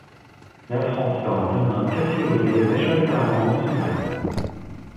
La France sera demain café au lait et majoritairement musulmane.